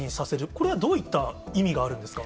これはどういった意味があるんですか？